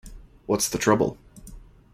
What's the trouble?